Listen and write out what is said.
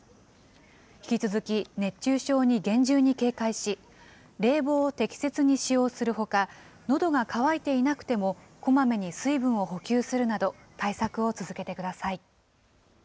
引き続き熱中症に厳重に警戒し、冷房を適切に使用するほか、のどが渇いていなくても、こまめに水分を補給するなど、対策を続けてください。